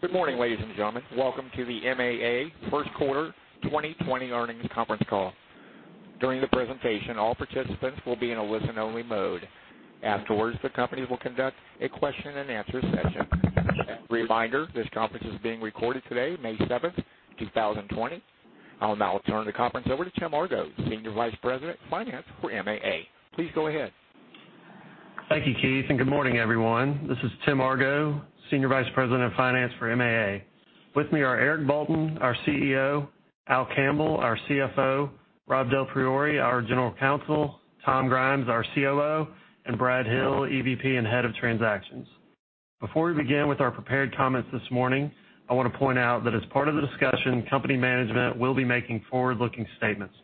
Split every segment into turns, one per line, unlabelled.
Good morning, ladies and gentlemen. Welcome to the MAA First Quarter 2020 Earnings Conference Call. During the presentation, all participants will be in a listen-only mode. Afterwards, the company will conduct a question and answer session. Reminder, this conference is being recorded today, May 7th, 2020. I'll now turn the conference over to Tim Argo, Senior Vice President of Finance for MAA. Please go ahead.
Thank you, Keith, and good morning, everyone. This is Tim Argo, Senior Vice President of Finance for MAA. With me are Eric Bolton, our CEO, Al Campbell, our CFO, Rob DelPriore, our General Counsel, Tom Grimes, our COO, and Brad Hill, EVP and Head of Transactions. Before we begin with our prepared comments this morning, I want to point out that as part of the discussion, company management will be making forward-looking statements.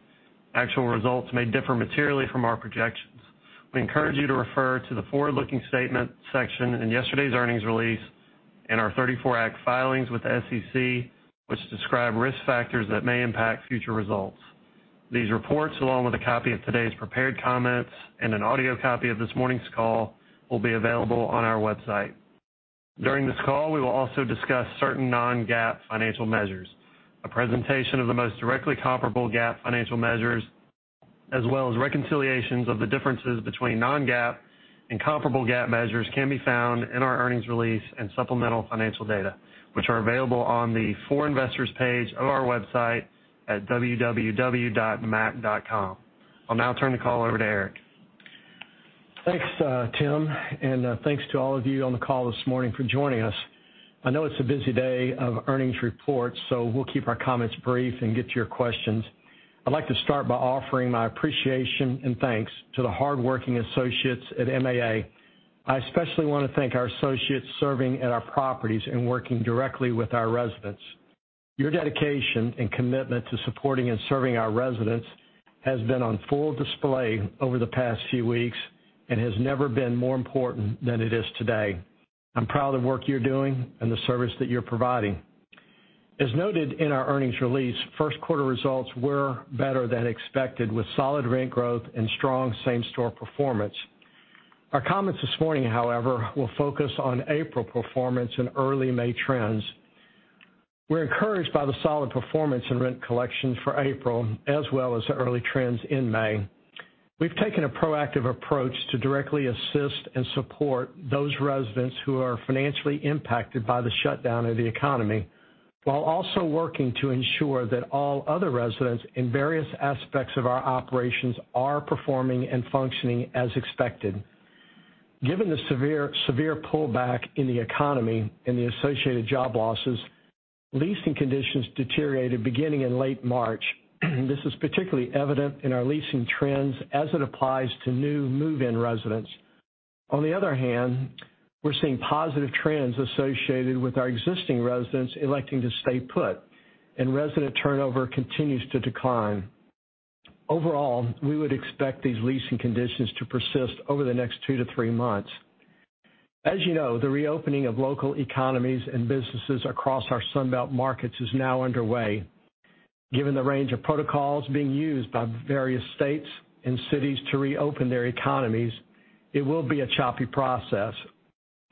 Actual results may differ materially from our projections. We encourage you to refer to the forward-looking statements section in yesterday's earnings release and our 34 Act filings with the SEC, which describe risk factors that may impact future results. These reports, along with a copy of today's prepared comments and an audio copy of this morning's call, will be available on our website. During this call, we will also discuss certain non-GAAP financial measures. A presentation of the most directly comparable GAAP financial measures, as well as reconciliations of the differences between non-GAAP and comparable GAAP measures, can be found in our earnings release and supplemental financial data, which are available on the For Investors page of our website at www.maac.com. I'll now turn the call over to Eric.
Thanks, Tim. Thanks to all of you on the call this morning for joining us. I know it's a busy day of earnings reports. We'll keep our comments brief and get to your questions. I'd like to start by offering my appreciation and thanks to the hardworking associates at MAA. I especially want to thank our associates serving at our properties and working directly with our residents. Your dedication and commitment to supporting and serving our residents has been on full display over the past few weeks and has never been more important than it is today. I'm proud of the work you're doing and the service that you're providing. As noted in our earnings release, first quarter results were better than expected, with solid rent growth and strong same-store performance. Our comments this morning, however, will focus on April performance and early May trends. We're encouraged by the solid performance in rent collections for April, as well as the early trends in May. We've taken a proactive approach to directly assist and support those residents who are financially impacted by the shutdown of the economy, while also working to ensure that all other residents in various aspects of our operations are performing and functioning as expected. Given the severe pullback in the economy and the associated job losses, leasing conditions deteriorated beginning in late March. This is particularly evident in our leasing trends as it applies to new move-in residents. On the other hand, we're seeing positive trends associated with our existing residents electing to stay put, and resident turnover continues to decline. Overall, we would expect these leasing conditions to persist over the next 2-3 months. As you know, the reopening of local economies and businesses across our Sun Belt markets is now underway. Given the range of protocols being used by various states and cities to reopen their economies, it will be a choppy process.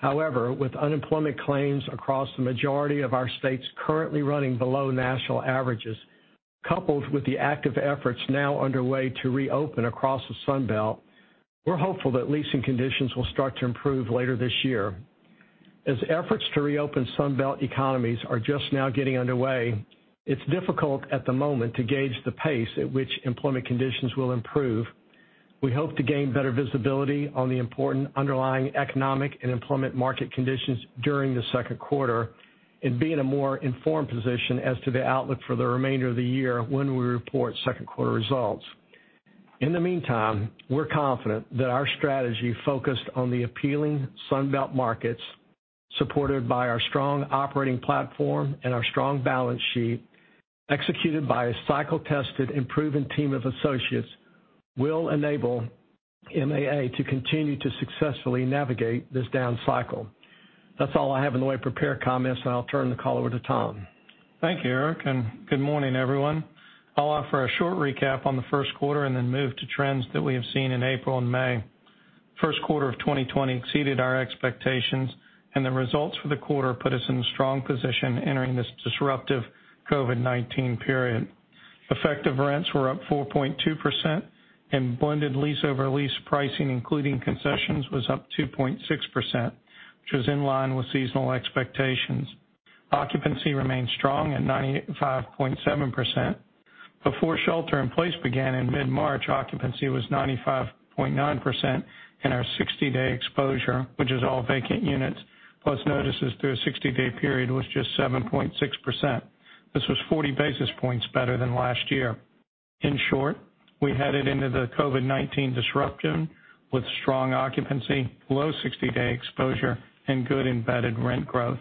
However, with unemployment claims across the majority of our states currently running below national averages, coupled with the active efforts now underway to reopen across the Sun Belt, we're hopeful that leasing conditions will start to improve later this year. As efforts to reopen Sun Belt economies are just now getting underway, it's difficult at the moment to gauge the pace at which employment conditions will improve. We hope to gain better visibility on the important underlying economic and employment market conditions during the second quarter and be in a more informed position as to the outlook for the remainder of the year when we report second quarter results. In the meantime, we're confident that our strategy focused on the appealing Sun Belt markets, supported by our strong operating platform and our strong balance sheet, executed by a cycle-tested and proven team of associates, will enable MAA to continue to successfully navigate this down cycle. That's all I have in the way of prepared comments, and I'll turn the call over to Tom.
Thank you, Eric. Good morning, everyone. I'll offer a short recap on the first quarter and then move to trends that we have seen in April and May. First quarter of 2020 exceeded our expectations, and the results for the quarter put us in a strong position entering this disruptive COVID-19 period. Effective rents were up 4.2%, and blended lease-over-lease pricing, including concessions, was up 2.6%, which was in line with seasonal expectations. Occupancy remained strong at 95.7%. Before shelter in place began in mid-March, occupancy was 95.9%, and our 60-day exposure, which is all vacant units, plus notices through a 60-day period, was just 7.6%. This was 40 basis points better than last year. In short, we headed into the COVID-19 disruption with strong occupancy, low 60-day exposure, and good embedded rent growth.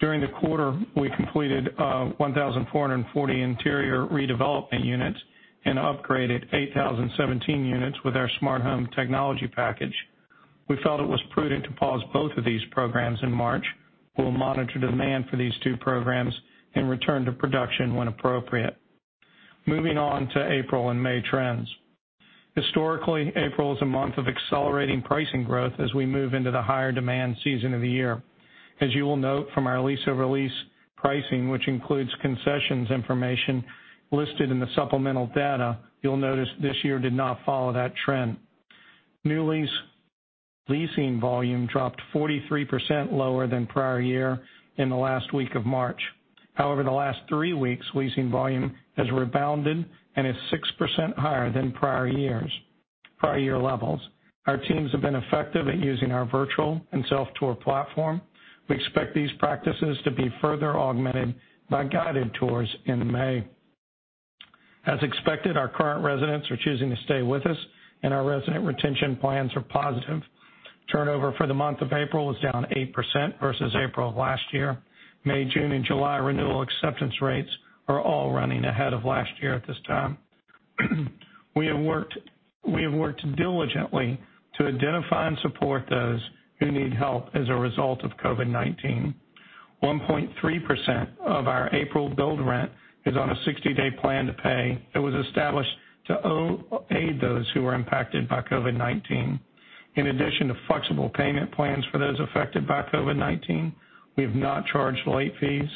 During the quarter, we completed 1,440 interior redeveloping units and upgraded 8,017 units with our Smart Home technology package. We felt it was prudent to pause both of these programs in March. We'll monitor demand for these two programs and return to production when appropriate. Moving on to April and May trends. Historically, April is a month of accelerating pricing growth as we move into the higher demand season of the year. As you will note from our lease-over-lease pricing, which includes concessions information listed in the supplemental data, you'll notice this year did not follow that trend. New leasing volume dropped 43% lower than prior year in the last week of March. However, the last three weeks, leasing volume has rebounded and is 6% higher than prior year levels. Our teams have been effective at using our virtual and self-tour platform. We expect these practices to be further augmented by guided tours in May. As expected, our current residents are choosing to stay with us, and our resident retention plans are positive. Turnover for the month of April was down 8% versus April of last year. May, June, and July renewal acceptance rates are all running ahead of last year at this time. We have worked diligently to identify and support those who need help as a result of COVID-19. 1.3% of our April billed rent is on a 60-day plan to pay that was established to aid those who were impacted by COVID-19. In addition to flexible payment plans for those affected by COVID-19, we have not charged late fees,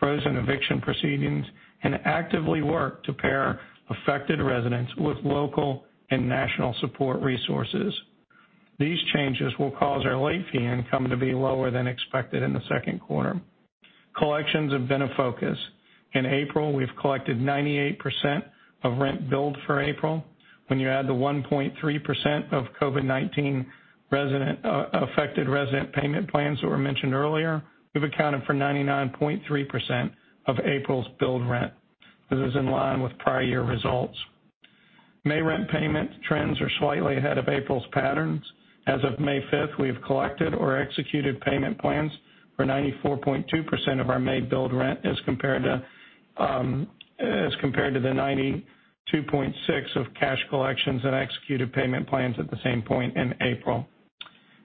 frozen eviction proceedings, and actively worked to pair affected residents with local and national support resources. These changes will cause our late fee income to be lower than expected in the second quarter. Collections have been a focus. In April, we've collected 98% of rent billed for April. When you add the 1.3% of COVID-19 affected resident payment plans that were mentioned earlier, we've accounted for 99.3% of April's billed rent. This is in line with prior year results. May rent payment trends are slightly ahead of April's patterns. As of May 5th, we have collected or executed payment plans for 94.2% of our May billed rent as compared to the 92.6% of cash collections and executed payment plans at the same point in April.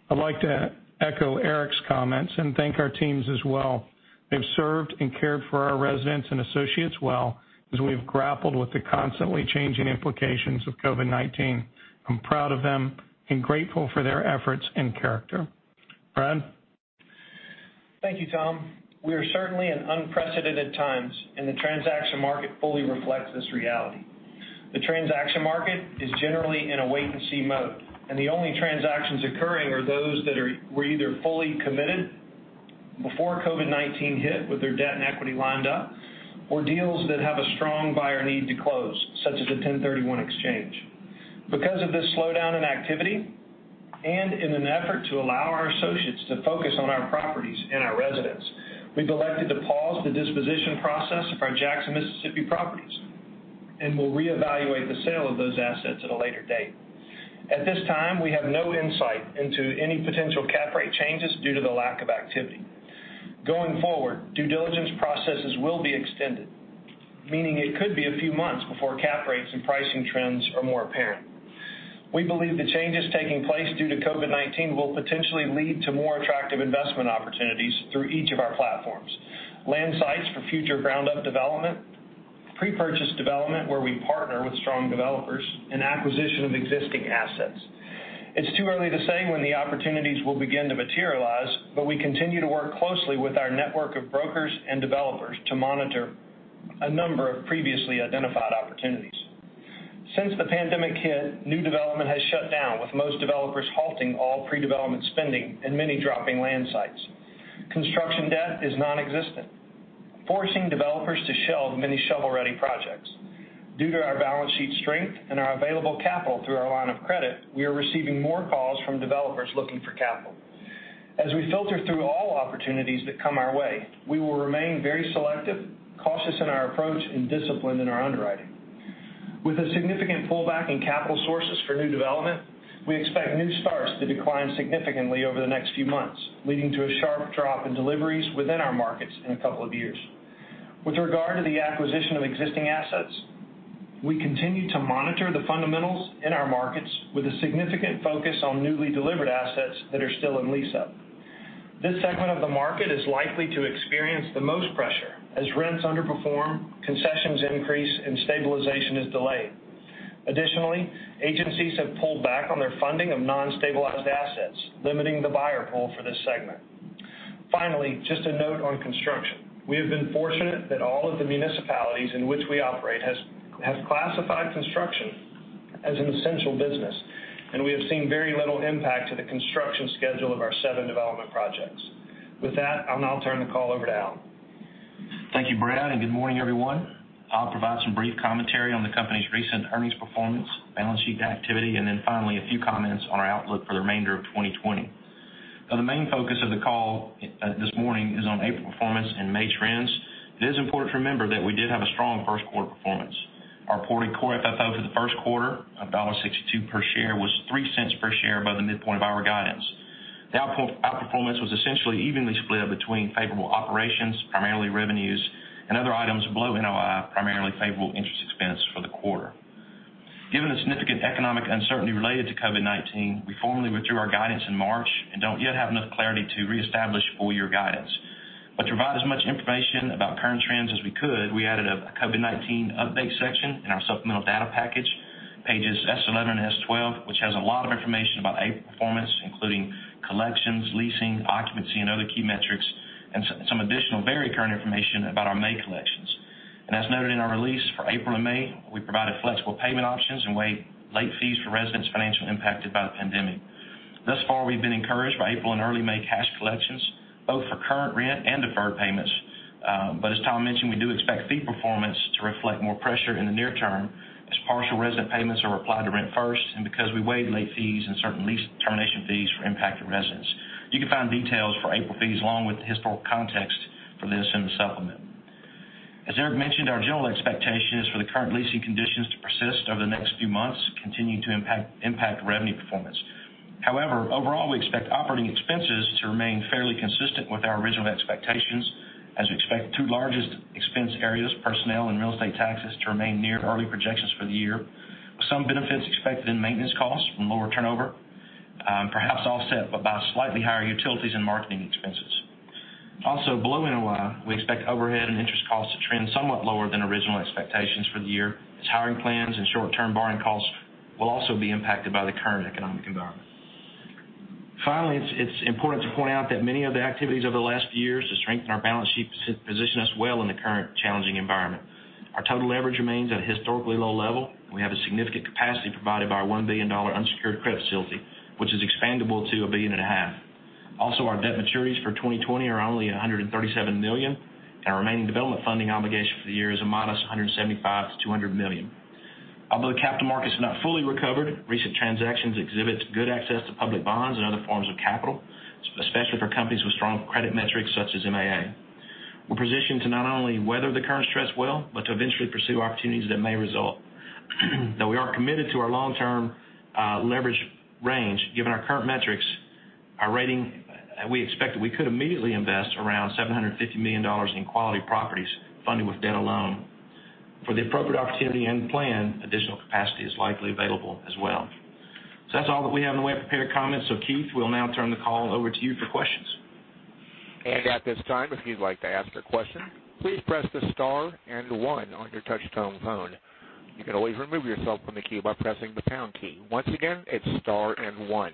I'd like to echo Eric's comments and thank our teams as well. They've served and cared for our residents and associates well as we've grappled with the constantly changing implications of COVID-19. I'm proud of them and grateful for their efforts and character. Brad?
Thank you, Tom. We are certainly in unprecedented times. The transaction market fully reflects this reality. The transaction market is generally in a wait-and-see mode. The only transactions occurring are those that were either fully committed before COVID-19 hit with their debt and equity lined up, or deals that have a strong buyer need to close, such as a 1031 exchange. Because of this slowdown in activity, in an effort to allow our associates to focus on our properties and our residents, we've elected to pause the disposition process of our Jackson, Mississippi properties and will reevaluate the sale of those assets at a later date. At this time, we have no insight into any potential cap rate changes due to the lack of activity. Going forward, due diligence processes will be extended, meaning it could be a few months before cap rates and pricing trends are more apparent. We believe the changes taking place due to COVID-19 will potentially lead to more attractive investment opportunities through each of our platforms. Land sites for future ground-up development, pre-purchase development where we partner with strong developers, and acquisition of existing assets. It's too early to say when the opportunities will begin to materialize, but we continue to work closely with our network of brokers and developers to monitor a number of previously identified opportunities. Since the pandemic hit, new development has shut down, with most developers halting all pre-development spending and many dropping land sites. Construction debt is nonexistent, forcing developers to shelve many shovel-ready projects. Due to our balance sheet strength and our available capital through our line of credit, we are receiving more calls from developers looking for capital. As we filter through all opportunities that come our way, we will remain very selective, cautious in our approach, and disciplined in our underwriting. With a significant pullback in capital sources for new development, we expect new starts to decline significantly over the next few months, leading to a sharp drop in deliveries within our markets in a couple of years. With regard to the acquisition of existing assets, we continue to monitor the fundamentals in our markets with a significant focus on newly delivered assets that are still in lease-up. This segment of the market is likely to experience the most pressure as rents underperform, concessions increase, and stabilization is delayed. Additionally, agencies have pulled back on their funding of non-stabilized assets, limiting the buyer pool for this segment. Finally, just a note on construction. We have been fortunate that all of the municipalities in which we operate have classified construction as an essential business, and we have seen very little impact to the construction schedule of our seven development projects. With that, I'll now turn the call over to Al.
Thank you, Brad. Good morning, everyone. I'll provide some brief commentary on the company's recent earnings performance, balance sheet activity, then finally, a few comments on our outlook for the remainder of 2020. The main focus of the call this morning is on April performance and May trends. It is important to remember that we did have a strong first quarter performance. Our reported core FFO for the first quarter of $1.62 per share was $0.03 per share above the midpoint of our guidance. The outperformance was essentially evenly split between favorable operations, primarily revenues, and other items below NOI, primarily favorable interest expense for the quarter. Given the significant economic uncertainty related to COVID-19, we formally withdrew our guidance in March and don't yet have enough clarity to reestablish full year guidance. To provide as much information about current trends as we could, we added a COVID-19 update section in our supplemental data package, pages S11 and S12, which has a lot of information about April performance, including collections, leasing, occupancy, and other key metrics, and some additional very current information about our May collections. As noted in our release for April and May, we provided flexible payment options and waived late fees for residents financially impacted by the pandemic. Thus far, we've been encouraged by April and early May cash collections, both for current rent and deferred payments. As Tom mentioned, we do expect fee performance to reflect more pressure in the near term as partial resident payments are applied to rent first, and because we waived late fees and certain lease termination fees for impacted residents. You can find details for April fees along with the historical context for this in the supplement. As Eric mentioned, our general expectation is for the current leasing conditions to persist over the next few months, continuing to impact revenue performance. However, overall, we expect operating expenses to remain fairly consistent with our original expectations as we expect the two largest expense areas, personnel and real estate taxes, to remain near early projections for the year, with some benefits expected in maintenance costs from lower turnover, perhaps offset by slightly higher utilities and marketing expenses. Below NOI, we expect overhead and interest costs to trend somewhat lower than original expectations for the year, as hiring plans and short-term borrowing costs will also be impacted by the current economic environment. Finally, it's important to point out that many of the activities over the last few years to strengthen our balance sheet position us well in the current challenging environment. Our total leverage remains at a historically low level. We have a significant capacity provided by our $1 billion unsecured credit facility, which is expandable to $1.5 billion. Our debt maturities for 2020 are only $137 million, and our remaining development funding obligation for the year is a modest $175 million-$200 million. Although the capital markets have not fully recovered, recent transactions exhibit good access to public bonds and other forms of capital, especially for companies with strong credit metrics such as MAA. We're positioned to not only weather the current stress well, but to eventually pursue opportunities that may result. Though we are committed to our long-term leverage range, given our current metrics, our rating, we expect that we could immediately invest around $750 million in quality properties funded with debt alone. For the appropriate opportunity and plan, additional capacity is likely available as well. That's all that we have in the way of prepared comments. Keith, we'll now turn the call over to you for questions.
At this time, if you'd like to ask a question, please press the star and one on your touch-tone phone. You can always remove yourself from the queue by pressing the pound key. Once again, it's star and one.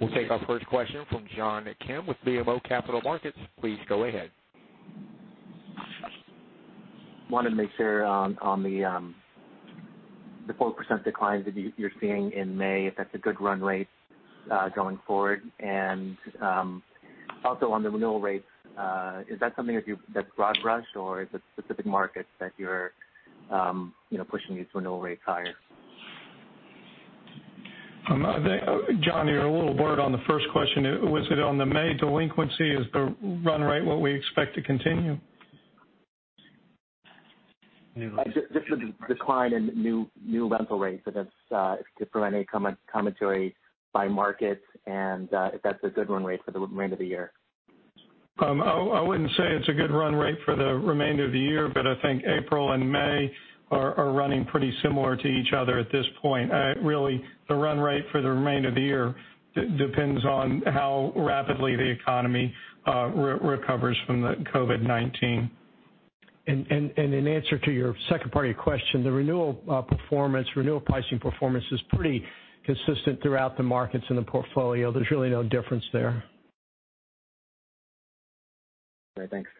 We'll take our first question from John Kim with BMO Capital Markets. Please go ahead.
wanted to make sure on the 4% decline that you're seeing in May, if that's a good run rate going forward, and also on the renewal rates, is that something that's broad brush, or is it specific markets that you're pushing these renewal rates higher?
John, a little word on the first question. Was it on the May delinquency? Is the run rate what we expect to continue?
Just the decline in new rental rates, if it's preventing commentary by markets, and if that's a good run rate for the remainder of the year.
I wouldn't say it's a good run rate for the remainder of the year, but I think April and May are running pretty similar to each other at this point. Really, the run rate for the remainder of the year depends on how rapidly the economy recovers from the COVID-19.
In answer to your second part of your question, the renewal pricing performance is pretty consistent throughout the markets in the portfolio. There's really no difference there.
All right. Thanks.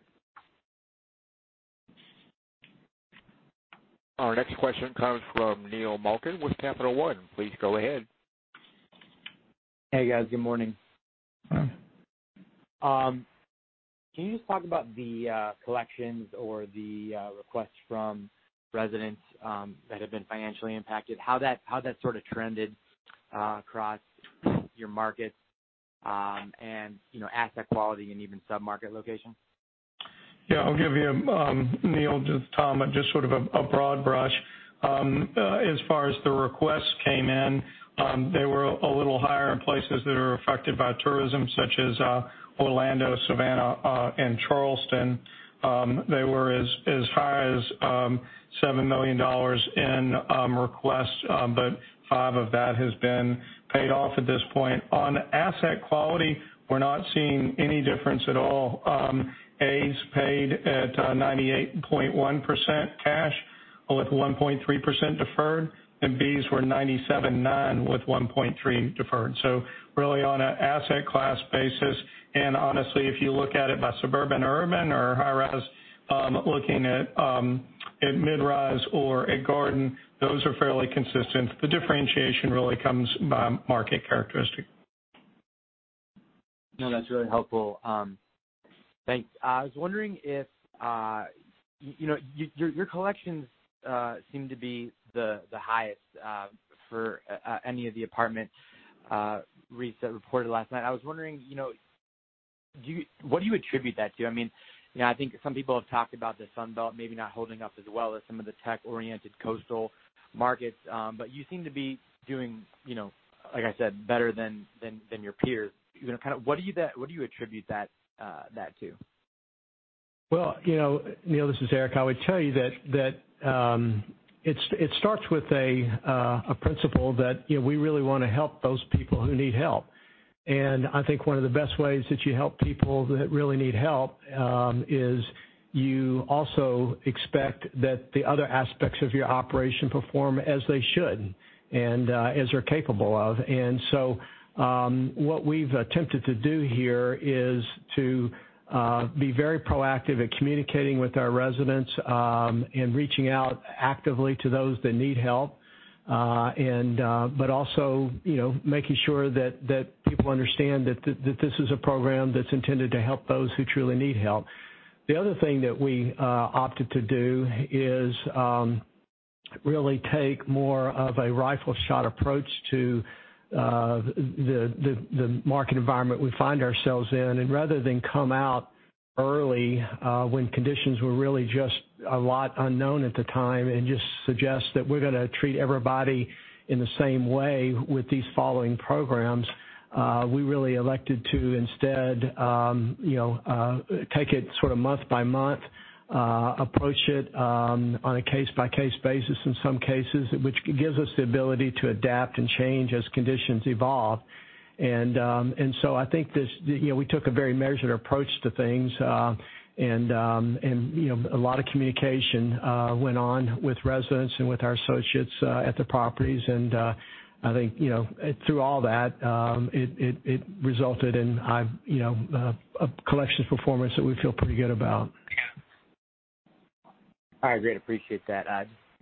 Our next question comes from Neil Malkin with Capital One. Please go ahead.
Hey, guys. Good morning.
Hi.
Can you just talk about the collections or the requests from residents that have been financially impacted, how that sort of trended across your markets, and asset quality and even sub-market locations?
Yeah. I'll give you, Neil, just Tom, just sort of a broad brush. As far as the requests came in, they were a little higher in places that are affected by tourism such as Orlando, Savannah, and Charleston. They were as high as $7 million in requests, but $5 million of that has been paid off at this point. On asset quality, we're not seeing any difference at all. As paid at 98.1% cash, with 1.3% deferred, and Bs were 97.9% with 1.3% deferred. Really on an asset class basis, and honestly, if you look at it by suburban, urban or high-rise, looking at mid-rise or at garden, those are fairly consistent. The differentiation really comes by market characteristic.
No, that's really helpful. Thanks. I was wondering if your collections seem to be the highest for any of the apartment REITs that reported last night. I was wondering, what do you attribute that to? I think some people have talked about the Sun Belt maybe not holding up as well as some of the tech-oriented coastal markets. You seem to be doing, like I said, better than your peers. What do you attribute that to?
Well, Neil, this is Eric. I would tell you that it starts with a principle that we really want to help those people who need help. I think one of the best ways that you help people that really need help is you also expect that the other aspects of your operation perform as they should and as they're capable of. What we've attempted to do here is to be very proactive in communicating with our residents, and reaching out actively to those that need help. Also making sure that people understand that this is a program that's intended to help those who truly need help. The other thing that we opted to do is really take more of a rifle shot approach to the market environment we find ourselves in. Rather than come out early, when conditions were really just a lot unknown at the time, and just suggest that we're going to treat everybody in the same way with these following programs, we really elected to instead take it sort of month by month, approach it on a case-by-case basis in some cases, which gives us the ability to adapt and change as conditions evolve. I think we took a very measured approach to things, and a lot of communication went on with residents and with our associates at the properties. I think through all that, it resulted in a collections performance that we feel pretty good about.
All right, great. Appreciate that.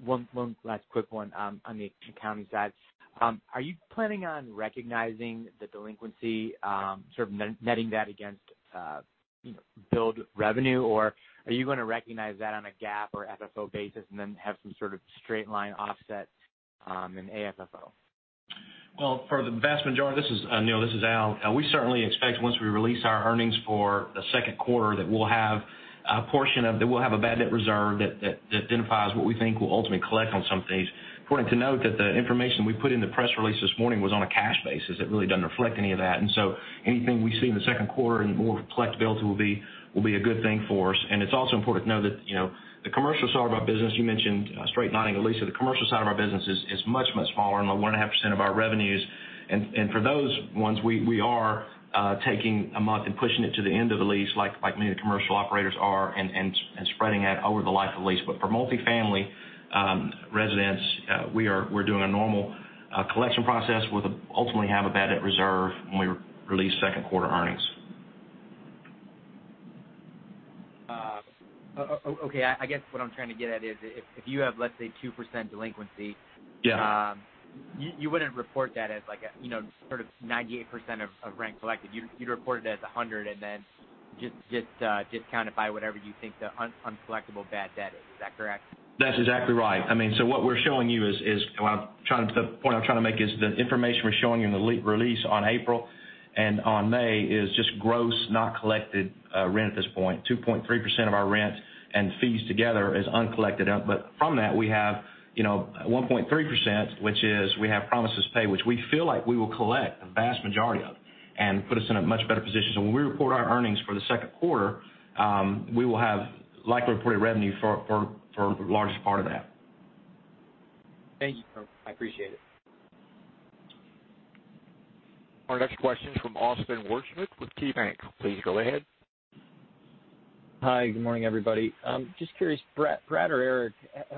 One last quick one on the accounting side. Are you planning on recognizing the delinquency, sort of netting that against billed revenue? Are you going to recognize that on a GAAP or FFO basis, and then have some sort of straight line offset in AFFO?
Well, for the vast majority, this is Al. We certainly expect once we release our earnings for the second quarter, that we'll have a bad debt reserve that identifies what we think we'll ultimately collect on some of these. Important to note that the information we put in the press release this morning was on a cash basis. It really doesn't reflect any of that. Anything we see in the second quarter and more collectability will be a good thing for us. It's also important to know that the commercial side of our business, you mentioned straight lining a lease. The commercial side of our business is much, much smaller, 1.5% of our revenues. For those ones, we are taking a month and pushing it to the end of the lease, like many commercial operators are, and spreading that over the life of the lease. For multifamily residents, we're doing a normal collection process. We'll ultimately have a bad debt reserve when we release second quarter earnings.
Okay. I guess what I'm trying to get at is if you have, let's say, 2% delinquency-
Yeah
you wouldn't report that as sort of 98% of rent collected. You'd report it as 100% and then just discount it by whatever you think the uncollectable bad debt is. Is that correct?
That's exactly right. The point I'm trying to make is the information we're showing you in the release on April and on May is just gross, not collected rent at this point, 2.3% of our rent and fees together is uncollected. From that, we have 1.3%, which is we have promises to pay, which we feel like we will collect a vast majority of and put us in a much better position. When we report our earnings for the second quarter, we will have likely reported revenue for the largest part of that.
Thank you. I appreciate it.
Our next question is from Austin Wurschmidt with KeyBanc. Please go ahead.
Hi, good morning, everybody. Just curious, Brad or Eric,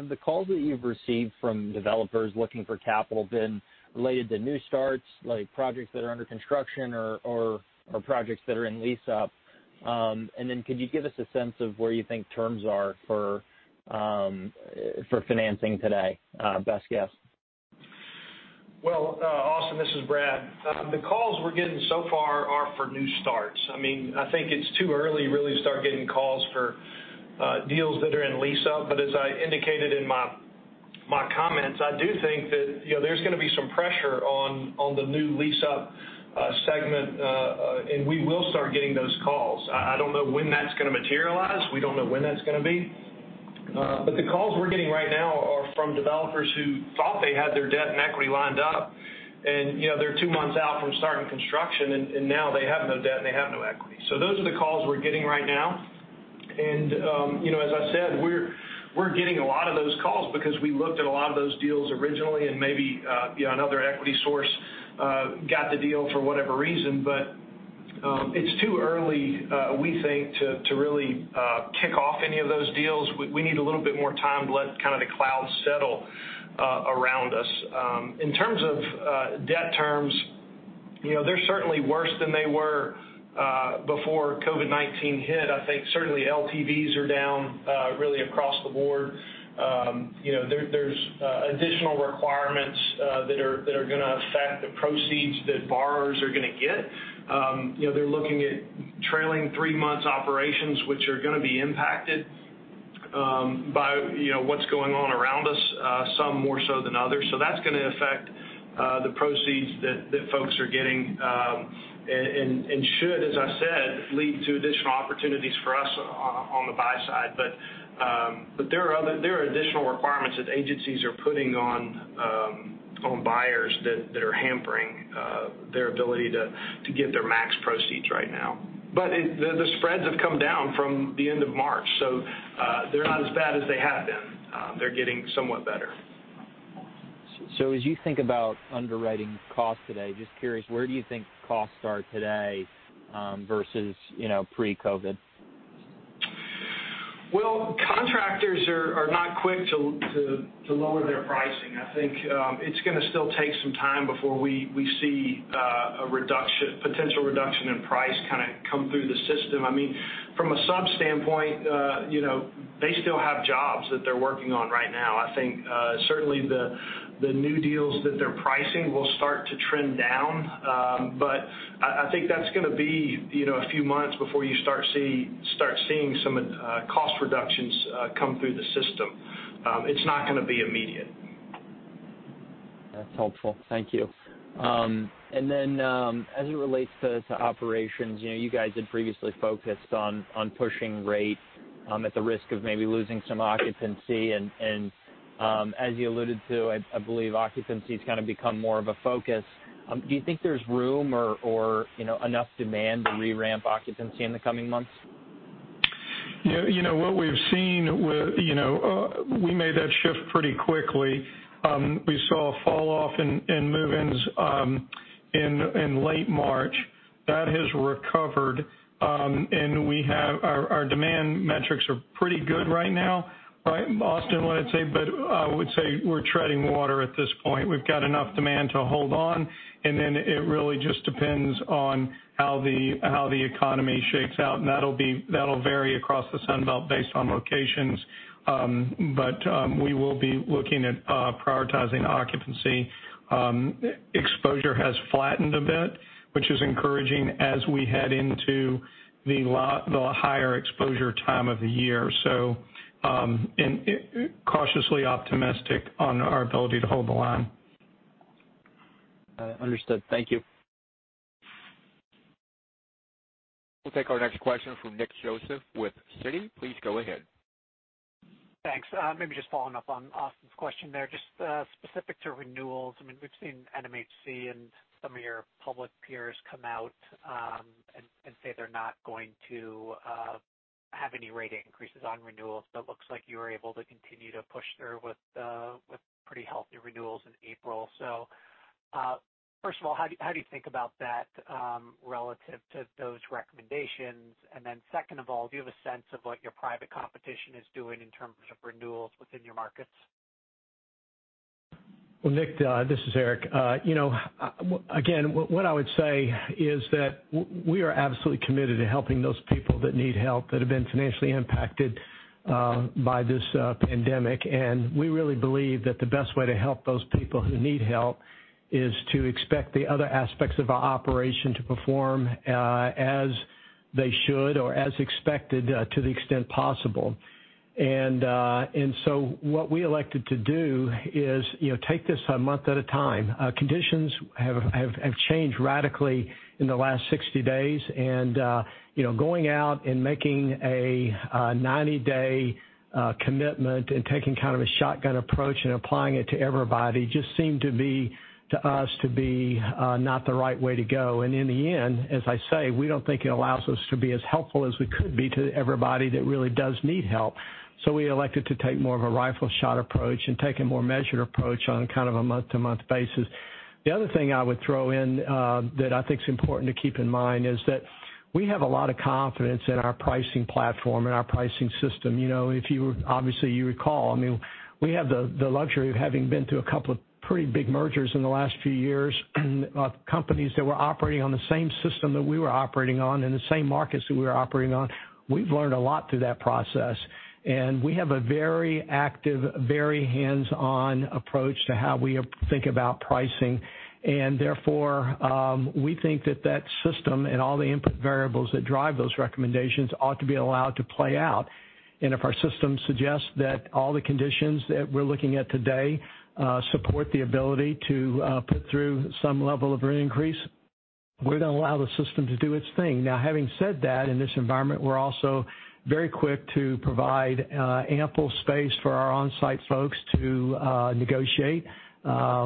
the calls that you've received from developers looking for capital been related to new starts, like projects that are under construction or projects that are in lease-up? Could you give us a sense of where you think terms are for financing today? Best guess.
Austin, this is Brad. The calls we're getting so far are for new starts. I think it's too early to really start getting calls for deals that are in lease-up. As I indicated in my comments, I do think that there's going to be some pressure on the new lease-up segment, and we will start getting those calls. I don't know when that's going to materialize. We don't know when that's going to be. The calls we're getting right now are from developers who thought they had their debt and equity lined up, and they're two months out from starting construction, and now they have no debt, and they have no equity. Those are the calls we're getting right now. As I said, we're getting a lot of those calls because we looked at a lot of those deals originally, and maybe another equity source got the deal for whatever reason. It's too early, we think, to really kick off any of those deals. We need a little bit more time to let kind of the cloud settle around us. In terms of debt terms, they're certainly worse than they were before COVID-19 hit. I think certainly LTVs are down really across the board. There's additional requirements that are going to affect the proceeds that borrowers are going to get. They're looking at trailing three months operations, which are going to be impacted by what's going on around us, some more so than others.
That's going to affect the proceeds that folks are getting, and should, as I said, lead to additional opportunities for us on the buy side.
There are additional requirements that agencies are putting on buyers that are hampering their ability to get their max proceeds right now. The spreads have come down from the end of March, so they're not as bad as they have been. They're getting somewhat better.
As you think about underwriting costs today, just curious, where do you think costs are today versus pre-COVID?
Well, contractors are not quick to lower their pricing. I think it's going to still take some time before we see a potential reduction in price kind of come through the system. From a sub standpoint, they still have jobs that they're working on right now. I think certainly the new deals that they're pricing will start to trend down. I think that's going to be a few months before you start seeing some cost reductions come through the system. It's not going to be immediate.
That's helpful. Thank you. As it relates to operations, you guys had previously focused on pushing rate at the risk of maybe losing some occupancy, as you alluded to, I believe occupancy's kind of become more of a focus. Do you think there's room or enough demand to re-ramp occupancy in the coming months?
What we've seen with-- We made that shift pretty quickly. We saw a fall-off in move-ins in late March. That has recovered. Our demand metrics are pretty good right now. Right, Austin, wouldn't say, but I would say we're treading water at this point. We've got enough demand to hold on, and then it really just depends on how the economy shakes out, and that'll vary across the Sun Belt based on locations. We will be looking at prioritizing occupancy. Exposure has flattened a bit, which is encouraging as we head into the higher exposure time of the year. Cautiously optimistic on our ability to hold the line.
Understood. Thank you.
We'll take our next question from Nick Joseph with Citi. Please go ahead.
Thanks. Maybe just following up on Austin's question there, just specific to renewals. It looks like you were able to continue to push through with pretty healthy renewals in April. We've seen NMHC and some of your public peers come out and say they're not going to have any rate increases on renewals. First of all, how do you think about that relative to those recommendations? Second of all, do you have a sense of what your private competition is doing in terms of renewals within your markets?
Well, Nick, this is Eric. What I would say is that we are absolutely committed to helping those people that need help that have been financially impacted by this pandemic. We really believe that the best way to help those people who need help is to expect the other aspects of our operation to perform as they should or as expected to the extent possible. What we elected to do is take this a month at a time. Conditions have changed radically in the last 60 days, and going out and making a 90-day commitment and taking kind of a shotgun approach and applying it to everybody just seemed to us to be not the right way to go. In the end, as I say, we don't think it allows us to be as helpful as we could be to everybody that really does need help. We elected to take more of a rifle shot approach and take a more measured approach on kind of a month-to-month basis. The other thing I would throw in that I think is important to keep in mind is that we have a lot of confidence in our pricing platform and our pricing system. Obviously you recall, we have the luxury of having been through a couple of pretty big mergers in the last few years of companies that were operating on the same system that we were operating on and the same markets that we were operating on. We've learned a lot through that process, and we have a very active, very hands-on approach to how we think about pricing. Therefore, we think that that system and all the input variables that drive those recommendations ought to be allowed to play out. If our system suggests that all the conditions that we're looking at today support the ability to put through some level of rent increase, we're going to allow the system to do its thing. Having said that, in this environment, we're also very quick to provide ample space for our on-site folks to negotiate.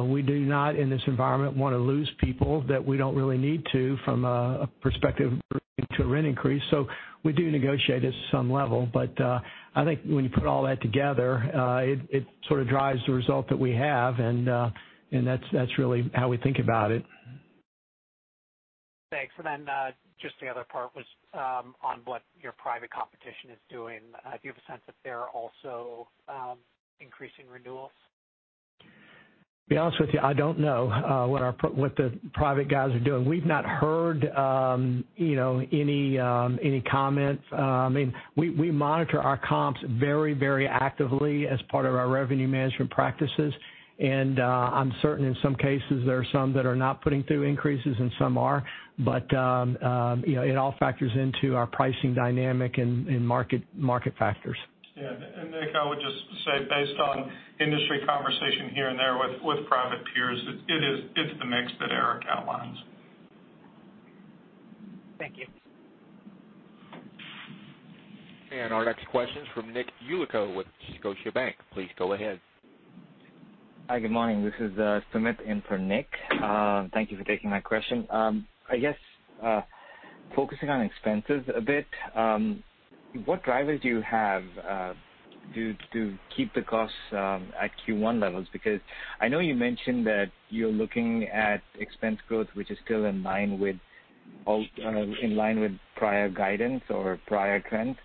We do not, in this environment, want to lose people that we don't really need to from a perspective of doing a rent increase. We do negotiate at some level. I think when you put all that together, it sort of drives the result that we have, and that's really how we think about it.
Thanks. Just the other part was on what your private competition is doing. Do you have a sense that they're also increasing renewals?
To be honest with you, I don't know what the private guys are doing. We've not heard any comments. We monitor our comps very actively as part of our revenue management practices, and I'm certain in some cases there are some that are not putting through increases and some are. It all factors into our pricing dynamic and market factors.
Yeah. Nick, I would just say based on industry conversation here and there with private peers, it's the mix that Eric outlines.
Thank you.
Our next question is from Nick Yulico with Scotiabank. Please go ahead.
Hi, good morning. This is Sumit in for Nick. Thank you for taking my question. I guess, focusing on expenses a bit, what drivers do you have to keep the costs at Q1 levels? I know you mentioned that you're looking at expense growth, which is still in line with prior guidance or prior trends.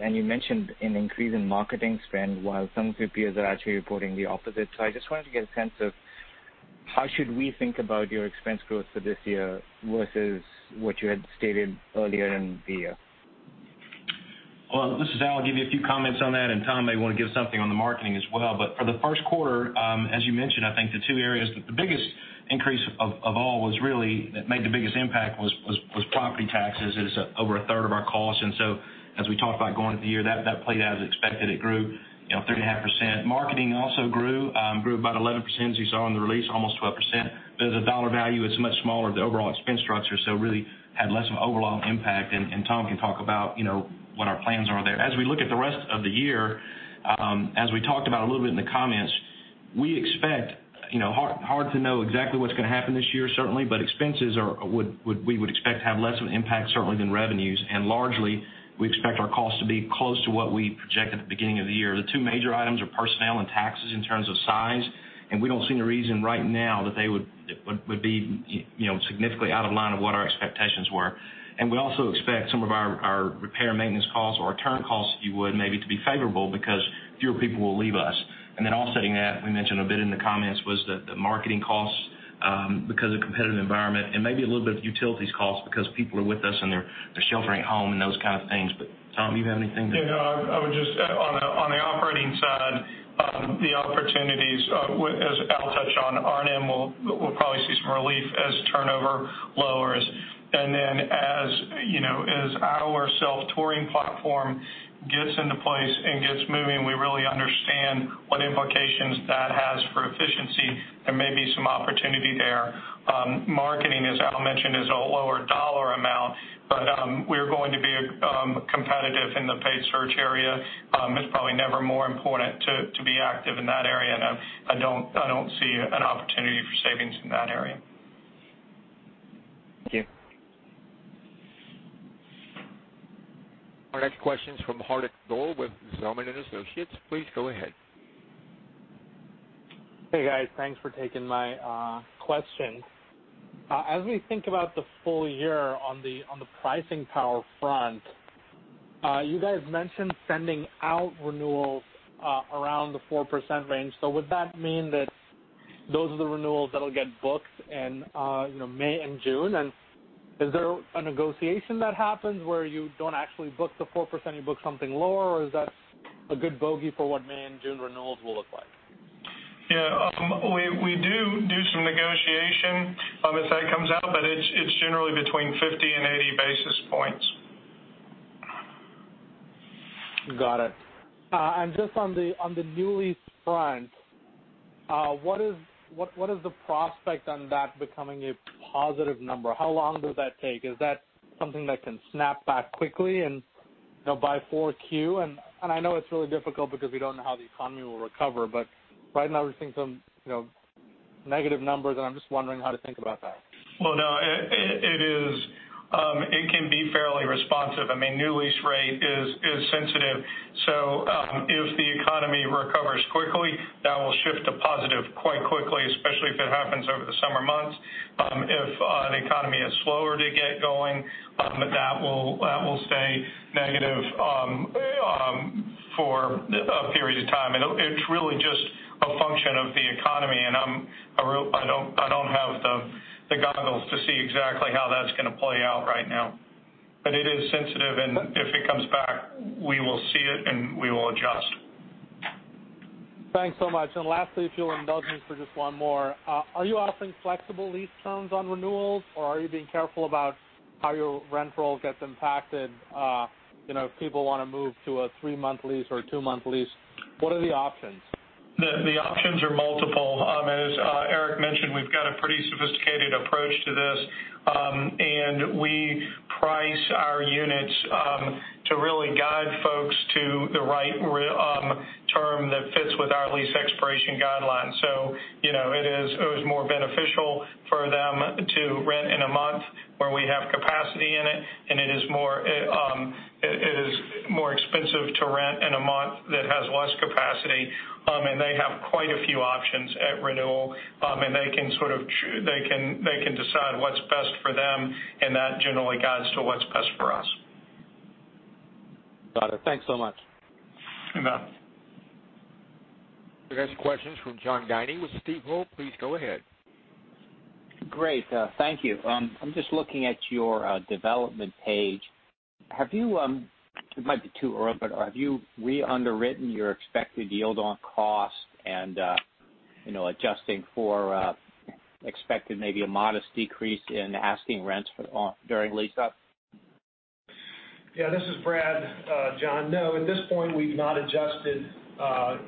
You mentioned an increase in marketing spend while some of your peers are actually reporting the opposite. I just wanted to get a sense of how should we think about your expense growth for this year versus what you had stated earlier in the year?
Well, this is Al, I'll give you a few comments on that, and Tom may want to give something on the marketing as well. For the first quarter, as you mentioned, I think the two areas, the biggest increase of all that made the biggest impact was property taxes. It is over a third of our cost. As we talked about going into the year, that played out as expected. It grew 3.5%. Marketing also grew about 11%, as you saw in the release, almost 12%. As a dollar value, it's much smaller, the overall expense structure, so really had less of an overall impact. Tom can talk about what our plans are there. As we look at the rest of the year, as we talked about a little bit in the comments, hard to know exactly what's going to happen this year certainly, but expenses we would expect to have less of an impact certainly than revenues. Largely, we expect our costs to be close to what we projected at the beginning of the year. The two major items are personnel and taxes in terms of size. We don't see any reason right now that they would be significantly out of line of what our expectations were. We also expect some of our repair and maintenance costs or our turn costs, if you would, maybe to be favorable because fewer people will leave us. Offsetting that, we mentioned a bit in the comments was the marketing costs because of competitive environment and maybe a little bit of utilities costs because people are with us and they're sheltering at home and those kind of things. Tom, do you have anything to-
I would just on the operating side, the opportunities as Al touched on, R&M will probably see some relief as turnover lowers. As our self-touring platform gets into place and gets moving, we really understand what implications that has for efficiency. There may be some opportunity there. Marketing, as Al mentioned, is a lower dollar amount, but we're going to be competitive in the paid search area. It's probably never more important to be active in that area. I don't see an opportunity for savings in that area.
Thank you.
Our next question is from Hardik Goel with Zelman & Associates. Please go ahead.
Hey, guys. Thanks for taking my question. As we think about the full year on the pricing power front, you guys mentioned sending out renewals around the 4% range. Would that mean that those are the renewals that'll get booked in May and June? Is there a negotiation that happens where you don't actually book the 4%, you book something lower? Is that a good bogey for what May and June renewals will look like?
Yeah. We do some negotiation if that comes out, but it's generally between 50 and 80 basis points.
Got it. Just on the newly front, what is the prospect on that becoming a positive number? How long does that take? Is that something that can snap back quickly and by 4Q? I know it's really difficult because we don't know how the economy will recover, but right now we're seeing some negative numbers, and I'm just wondering how to think about that.
Well, no, it can be fairly responsive. I mean, new lease rate is sensitive. If the economy recovers quickly, that will shift to positive quite quickly, especially if it happens over the summer months. If the economy is slower to get going, that will stay negative for a period of time. It's really just a function of the economy. I don't have the goggles to see exactly how that's going to play out right now. It is sensitive, and if it comes back, we will see it, and we will adjust.
Thanks so much. Lastly, if you'll indulge me for just one more, are you offering flexible lease terms on renewals? Are you being careful about how your rent roll gets impacted if people want to move to a three-month lease or a two-month lease? What are the options?
The options are multiple. As Eric mentioned, we've got a pretty sophisticated approach to this. We price our units to really guide folks to the right term that fits with our lease expiration guidelines. It is more beneficial for them to rent in a month where we have capacity in it, and it is more expensive to rent in a month that has less capacity. They have quite a few options at renewal, and they can decide what's best for them, and that generally guides to what's best for us.
Got it. Thanks so much.
You bet.
Our next question is from John Guinee with Stifel. Please go ahead.
Great. Thank you. I'm just looking at your development page. It might be too early, but have you re-underwritten your expected yield on cost and adjusting for expected maybe a modest decrease in asking rents during lease up?
Yeah, this is Brad. John, no. At this point, we've not adjusted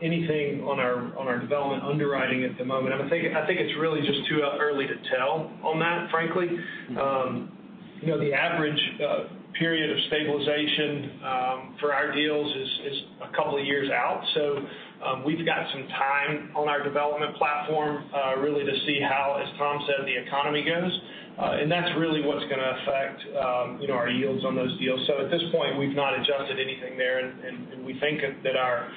anything on our development underwriting at the moment. I think it's really just too early to tell on that, frankly. The average period of stabilization for our deals is a couple of years out. We've got some time on our development platform really to see how, as Tom said, the economy goes. That's really what's going to affect our yields on those deals. At this point, we've not adjusted anything there, and we think that our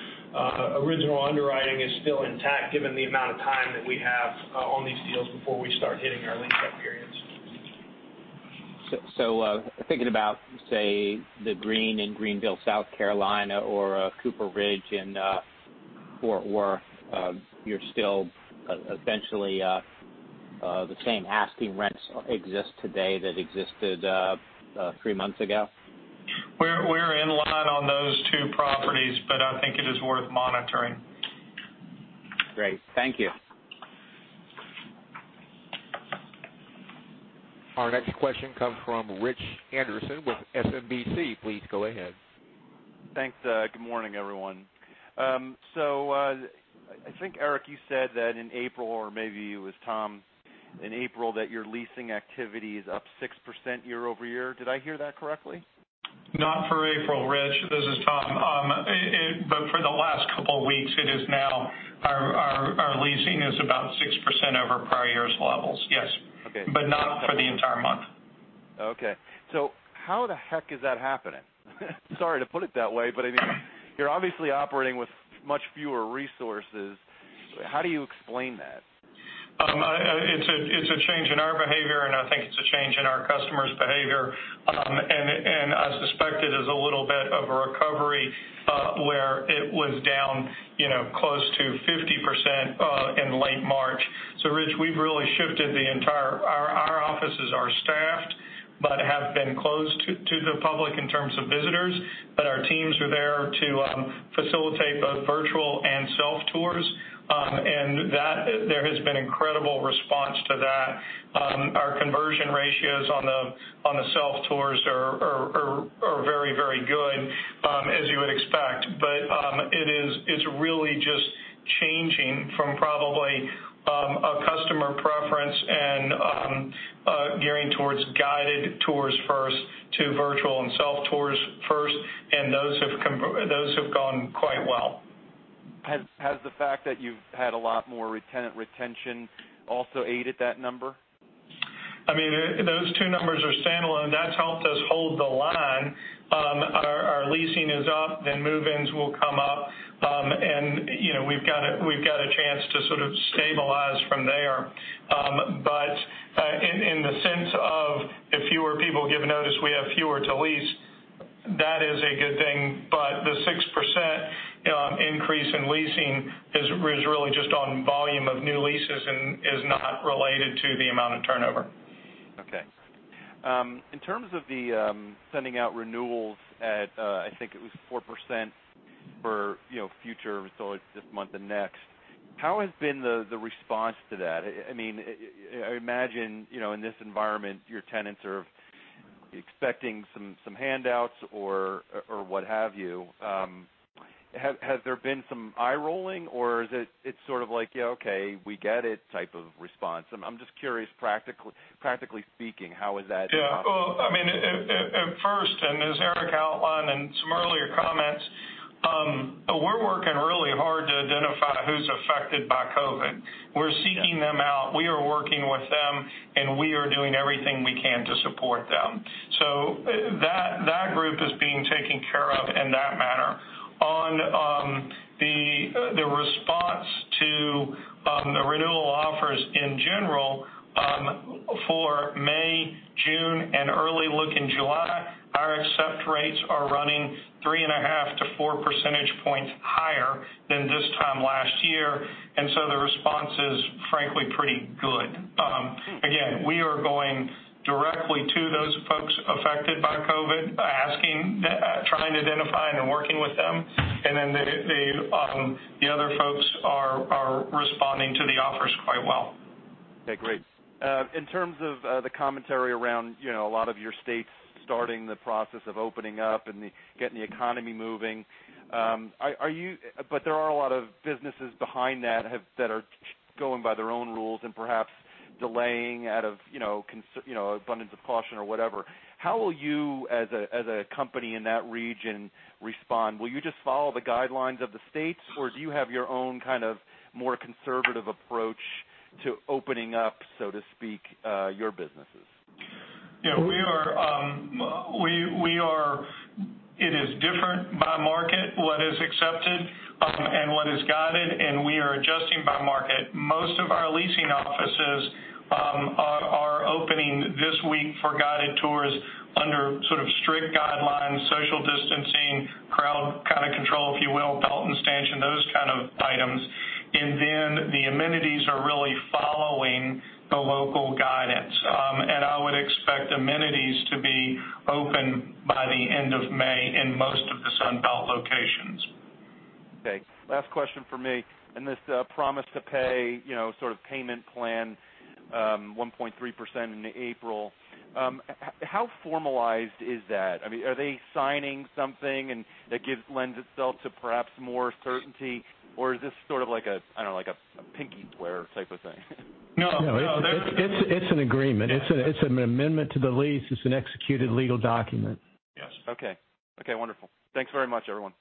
original underwriting is still intact given the amount of time that we have on these deals before we start hitting our lease-up periods.
Thinking about, say, The Greene in Greenville, South Carolina, or Copper Ridge in Fort Worth, you're still essentially the same asking rents exist today that existed three months ago?
We're in line on those two properties, but I think it is worth monitoring.
Great. Thank you.
Our next question comes from Rich Anderson with SMBC. Please go ahead.
Thanks. Good morning, everyone. I think, Eric, you said that in April, or maybe it was Tom, in April, that your leasing activity is up 6% year-over-year. Did I hear that correctly?
Not for April, Rich. This is Tom. For the last couple of weeks, it is now our leasing is about 6% over prior years' levels. Yes.
Okay.
Not for the entire month.
Okay. How the heck is that happening? Sorry to put it that way, but you're obviously operating with much fewer resources. How do you explain that?
It's a change in our behavior, and I think it's a change in our customers' behavior. I suspect it is a little bit of a recovery where it was down close to 50% in late March. Rich, we've really shifted the entire Our offices are staffed but have been closed to the public in terms of visitors, but our teams are there to facilitate both virtual and self-tours, and there has been incredible response to that. Our conversion ratios on the self-tours are very good, as you would expect. It's really just changing from probably a customer preference and gearing towards guided tours first to virtual and self-tours first, and those have gone quite well.
Has the fact that you've had a lot more tenant retention also aided that number?
Those two numbers are standalone. That's helped us hold the line. Our leasing is up, then move-ins will come up. We've got a chance to sort of stabilize from there. In the sense of if fewer people give notice, we have fewer to lease. That is a good thing, but the 6% increase in leasing is really just on volume of new leases and is not related to the amount of turnover.
In terms of the sending out renewals at, I think it was 4% for future, so it's this month and next, how has been the response to that? I imagine, in this environment, your tenants are expecting some handouts or what have you. Has there been some eye-rolling, or is it sort of like, "Yeah, okay, we get it," type of response? I'm just curious, practically speaking, how is that?
Well, at first, and as Eric outlined in some earlier comments, we're working really hard to identify who's affected by COVID. We're seeking them out, we are working with them, and we are doing everything we can to support them. That group is being taken care of in that manner. On the response to the renewal offers in general for May, June, and early look in July, our accept rates are running three and a half to four percentage points higher than this time last year, the response is frankly pretty good. Again, we are going directly to those folks affected by COVID, asking, trying to identify and working with them, the other folks are responding to the offers quite well.
Okay, great. In terms of the commentary around a lot of your states starting the process of opening up and getting the economy moving, but there are a lot of businesses behind that that are going by their own rules and perhaps delaying out of abundance of caution or whatever. How will you, as a company in that region, respond? Will you just follow the guidelines of the states, or do you have your own kind of more conservative approach to opening up, so to speak, your businesses?
It is different by market, what is accepted and what is guided, and we are adjusting by market. Most of our leasing offices are opening this week for guided tours under sort of strict guidelines, social distancing, crowd kind of control, if you will.
Last question from me. In this promise to pay sort of payment plan, 1.3% into April, how formalized is that? Are they signing something and that lends itself to perhaps more certainty? Is this sort of like a pinky swear type of thing?
No.
It's an agreement. It's an amendment to the lease. It's an executed legal document.
Yes.
Okay. Wonderful. Thanks very much, everyone.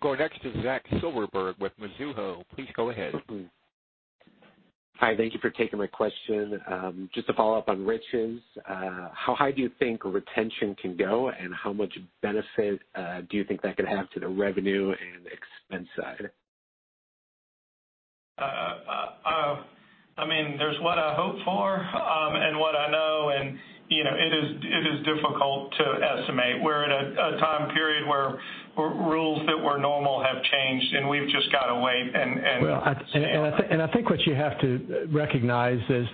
Going next to Zach Silverberg with Mizuho. Please go ahead.
Hi. Thank you for taking my question. Just to follow up on Rich's, how high do you think retention can go, and how much benefit do you think that could have to the revenue and expense side?
There's what I hope for and what I know. It is difficult to estimate. We're in a time period where rules that were normal have changed. We've just got to wait and see.
I think what you have to recognize is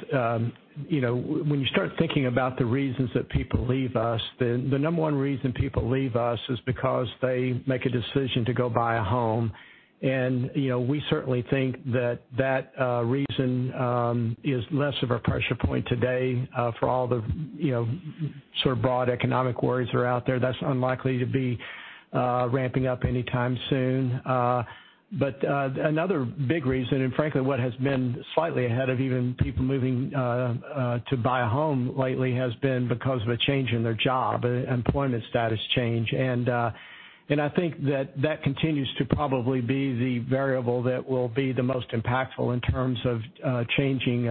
when you start thinking about the reasons that people leave us, the number one reason people leave us is because they make a decision to go buy a home. We certainly think that that reason is less of a pressure point today for all the sort of broad economic worries are out there. That's unlikely to be ramping up anytime soon. Another big reason, and frankly what has been slightly ahead of even people moving to buy a home lately, has been because of a change in their job, employment status change. I think that continues to probably be the variable that will be the most impactful in terms of changing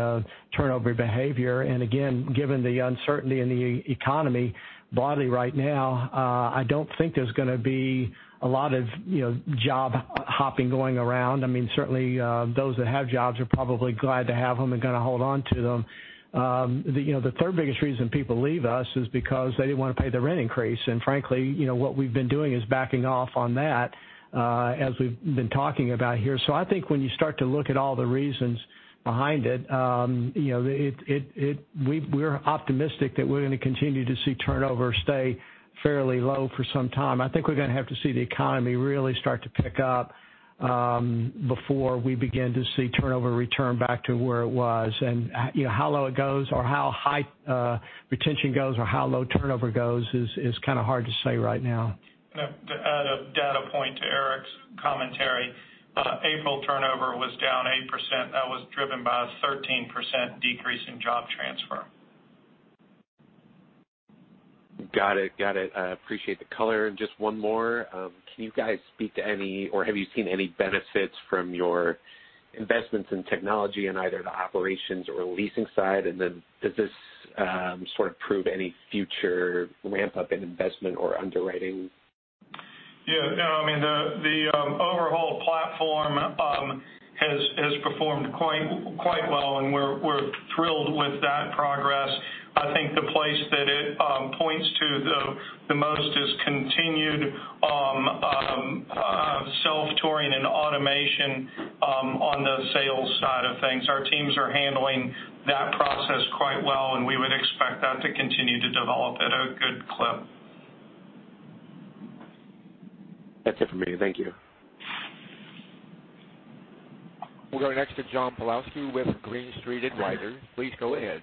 turnover behavior. Again, given the uncertainty in the economy broadly right now, I don't think there's going to be a lot of job hopping going around. Certainly those that have jobs are probably glad to have them and going to hold on to them. The third biggest reason people leave us is because they didn't want to pay the rent increase, and frankly, what we've been doing is backing off on that as we've been talking about here. I think when you start to look at all the reasons behind it, we're optimistic that we're going to continue to see turnover stay fairly low for some time. I think we're going to have to see the economy really start to pick up before we begin to see turnover return back to where it was. How low it goes or how high retention goes or how low turnover goes is kind of hard to say right now.
To add a data point to Eric's commentary, April turnover was down 8%. That was driven by a 13% decrease in job transfer.
Got it. I appreciate the color. Just one more. Can you guys speak to any or have you seen any benefits from your investments in technology in either the operations or leasing side? Does this sort of prove any future ramp-up in investment or underwriting?
Yeah. The overall platform has performed quite well, and we're thrilled with that progress. I think the place that it points to the most is continued self-touring and automation on the sales side of things. Our teams are handling that process quite well, and we would expect that to continue to develop at a good clip.
That's it for me. Thank you.
We'll go next to John Pawlowski with Green Street Advisors. Please go ahead.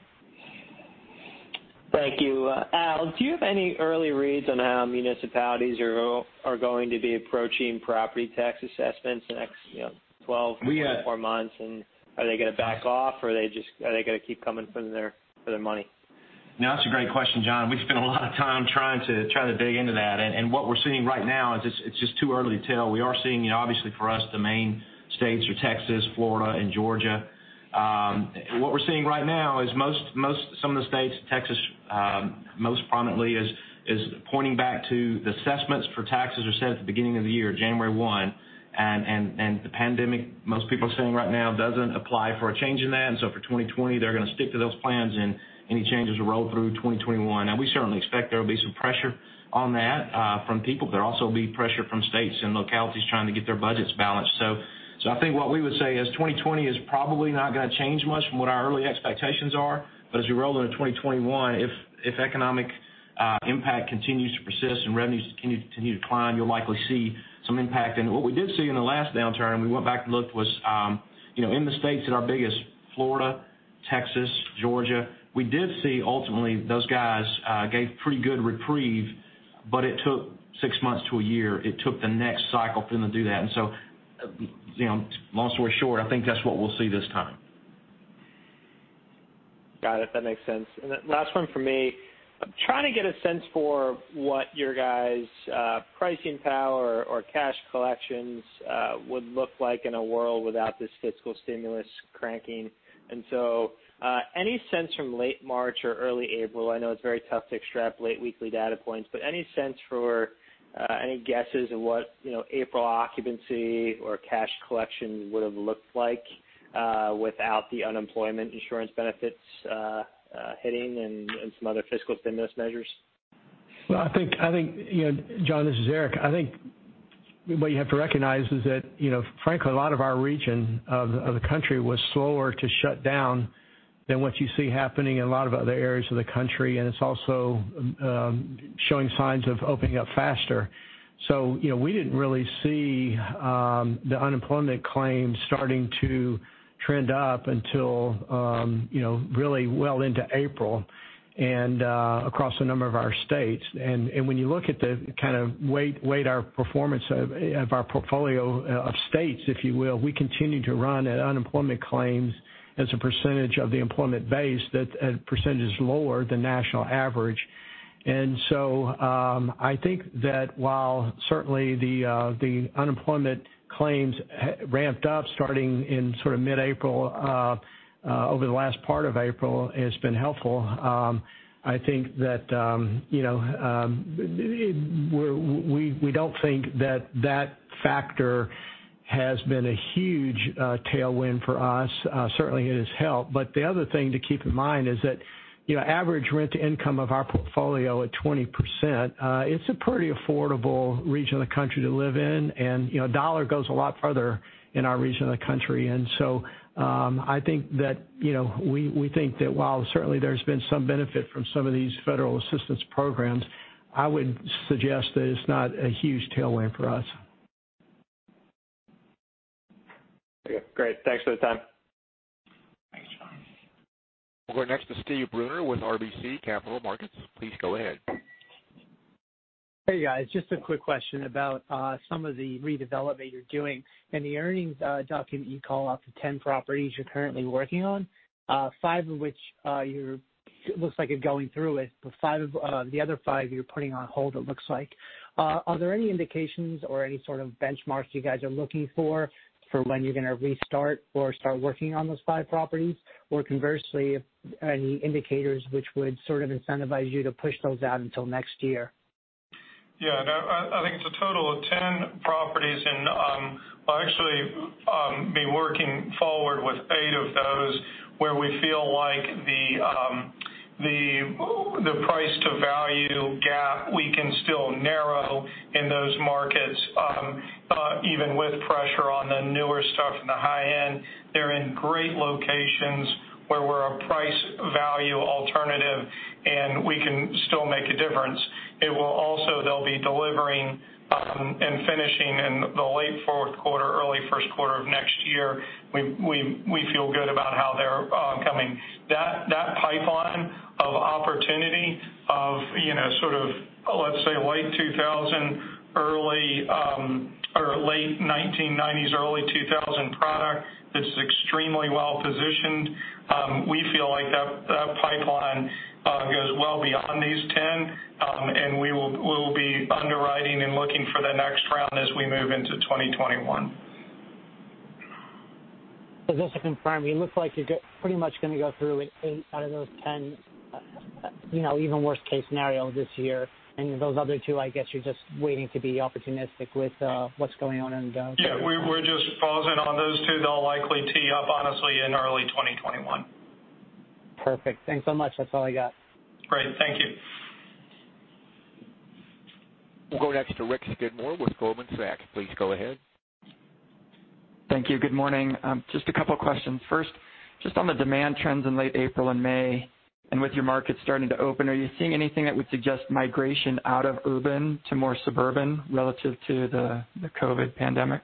Thank you. Al, do you have any early reads on how municipalities are going to be approaching property tax assessments the next 12-24 months? Are they going to back off or are they going to keep coming for their money?
That's a great question, John. We've spent a lot of time trying to dig into that, and what we're seeing right now is it's just too early to tell. We are seeing, obviously for us, the main states are Texas, Florida, and Georgia. What we're seeing right now is some of the states, Texas most prominently, is pointing back to the assessments for taxes are set at the beginning of the year, January 1. The pandemic, most people are saying right now, doesn't apply for a change in that. For 2020, they're going to stick to those plans, and any changes will roll through 2021. We certainly expect there will be some pressure on that from people. There will also be pressure from states and localities trying to get their budgets balanced. I think what we would say is 2020 is probably not going to change much from what our early expectations are. As we roll into 2021, if economic impact continues to persist and revenues continue to climb, you'll likely see some impact. What we did see in the last downturn, and we went back and looked, was in the states that are biggest, Florida, Texas, Georgia, we did see ultimately those guys gave pretty good reprieve, but it took six months to a year. It took the next cycle for them to do that. Long story short, I think that's what we'll see this time.
Got it. That makes sense. Last one from me. I am trying to get a sense for what your guys' pricing power or cash collections would look like in a world without this fiscal stimulus cranking. Any sense from late March or early April, I know it is very tough to extrapolate weekly data points, but any sense for any guesses of what April occupancy or cash collection would have looked like without the unemployment insurance benefits hitting and some other fiscal stimulus measures?
John, this is Eric. I think what you have to recognize is that frankly, a lot of our region of the country was slower to shut down than what you see happening in a lot of other areas of the country, and it's also showing signs of opening up faster. We didn't really see the unemployment claims starting to trend up until really well into April and across a number of our states. When you look at the kind of weight our performance of our portfolio of states, if you will, we continue to run at unemployment claims as a percentage of the employment base, that percentage is lower than national average. I think that while certainly the unemployment claims ramped up starting in mid-April, over the last part of April, it's been helpful. I think that we don't think that factor has been a huge tailwind for us. Certainly it has helped. The other thing to keep in mind is that average rent-to-income of our portfolio at 20%, it's a pretty affordable region of the country to live in. A dollar goes a lot further in our region of the country. I think that we think that while certainly there's been some benefit from some of these federal assistance programs, I would suggest that it's not a huge tailwind for us.
Okay, great. Thanks for the time.
Thanks, John.
We'll go next to Steve Brunner with RBC Capital Markets. Please go ahead.
Hey, guys. Just a quick question about some of the redevelop that you're doing. In the earnings document, you call out the 10 properties you're currently working on, five of which it looks like you're going through with, the other five you're putting on hold, it looks like. Are there any indications or any sort of benchmarks you guys are looking for when you're going to restart or start working on those five properties? Conversely, any indicators which would sort of incentivize you to push those out until next year?
Yeah, no, I think it's a total of 10 properties, and we'll actually be working forward with eight of those where we feel like the price to value gap, we can still narrow in those markets, even with pressure on the newer stuff in the high end. They're in great locations where we're a price value alternative, and we can still make a difference. It will also, they'll be delivering and finishing in the late fourth quarter, early first quarter of next year. We feel good about how they're coming. That pipeline of opportunity of sort of, let's say, late 1990s, early 2000 product that's extremely well-positioned. We feel like that pipeline goes well beyond these 10, and we will be underwriting and looking for the next round as we move into 2021.
Just to confirm, you look like you're pretty much going to go through with eight out of those 10, even worst case scenario this year. Those other two, I guess you're just waiting to be opportunistic with what's going on.
Yeah, we're just frozen on those two. They'll likely tee up, honestly, in early 2021.
Perfect. Thanks so much. That's all I got.
Great. Thank you.
We'll go next to Rick Skidmore with Goldman Sachs. Please go ahead.
Thank you. Good morning. Just a couple of questions. First, just on the demand trends in late April and May, with your markets starting to open, are you seeing anything that would suggest migration out of urban to more suburban relative to the COVID-19 pandemic?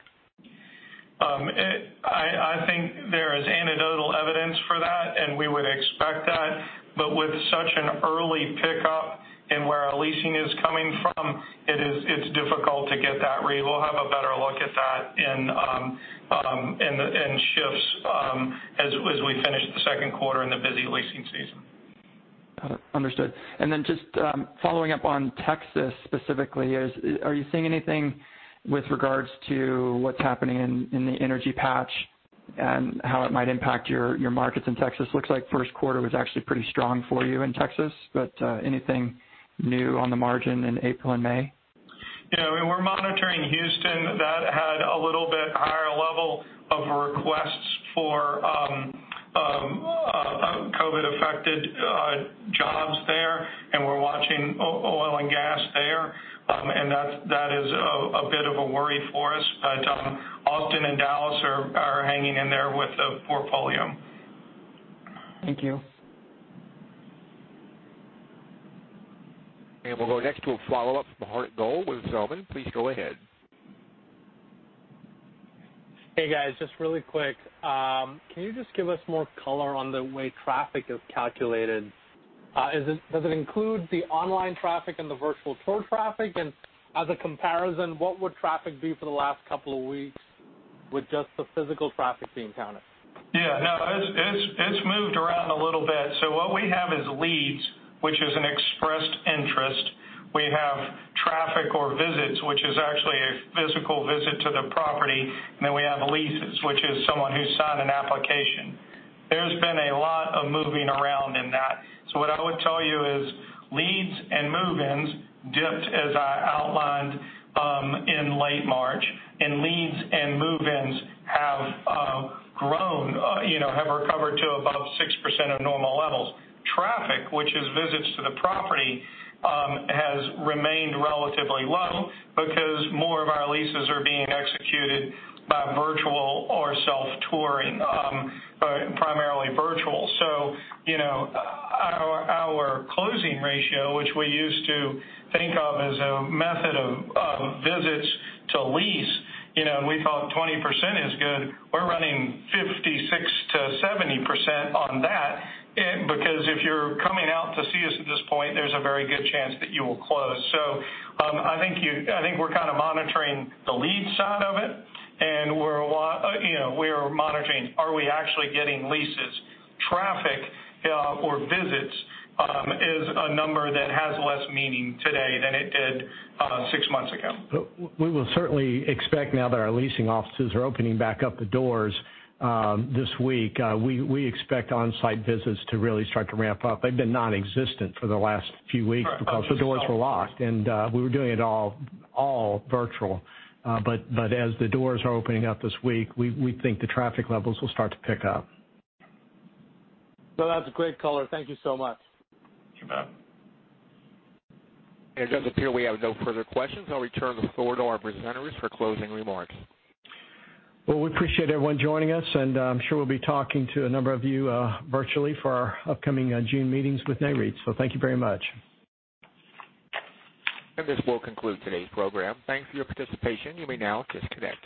I think there is anecdotal evidence for that, and we would expect that. With such an early pickup in where our leasing is coming from, it's difficult to get that read. We'll have a better look at that in shifts as we finish the second quarter and the busy leasing season.
Understood. Just following up on Texas specifically, are you seeing anything with regards to what's happening in the energy patch and how it might impact your markets in Texas? Looks like first quarter was actually pretty strong for you in Texas. Anything new on the margin in April and May?
Yeah, we're monitoring Houston. That had a little bit higher level of requests for COVID-affected jobs there, and we're watching oil and gas there. That is a bit of a worry for us. Austin and Dallas are hanging in there with the portfolio.
Thank you.
We'll go next to a follow-up from Hardik Goel with Zelman. Please go ahead.
Hey, guys, just really quick. Can you just give us more color on the way traffic is calculated? Does it include the online traffic and the virtual tour traffic? As a comparison, what would traffic be for the last couple of weeks with just the physical traffic being counted?
Yeah. No, it's moved around a little bit. What we have is leads, which is an expressed interest. We have traffic or visits, which is actually a physical visit to the property, and then we have leases, which is someone who signed an application. There's been a lot of moving around in that. What I would tell you is leads and move-ins dipped, as I outlined, in late March, and leads and move-ins have grown, have recovered to above 6% of normal levels. Traffic, which is visits to the property, has remained relatively low because more of our leases are being executed by virtual or self-touring, but primarily virtual. Our closing ratio, which we used to think of as a method of visits to lease, we thought 20% is good. We're running 56%-70% on that because if you're coming out to see us at this point, there's a very good chance that you will close. I think we're kind of monitoring the lead side of it, and we are monitoring, are we actually getting leases. Traffic or visits is a number that has less meaning today than it did six months ago. We will certainly expect now that our leasing offices are opening back up the doors this week. We expect on-site visits to really start to ramp up. They've been non-existent for the last few weeks because the doors were locked, and we were doing it all virtual. As the doors are opening up this week, we think the traffic levels will start to pick up.
That's a great color. Thank you so much.
You bet.
It does appear we have no further questions. I'll return the floor to our presenters for closing remarks.
Well, we appreciate everyone joining us, and I'm sure we'll be talking to a number of you virtually for our upcoming June meetings with Nareit. Thank you very much.
This will conclude today's program. Thanks for your participation. You may now disconnect.